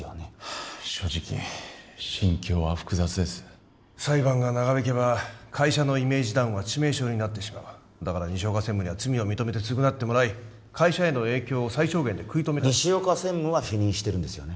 あ正直心境は複雑です裁判が長引けば会社のイメージダウンは致命傷になってしまうだから西岡専務には罪を認めて償ってもらい会社への影響を最小限で西岡専務は否認してるんですよね